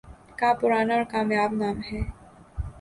کا پرانا اور کامیاب نام ہے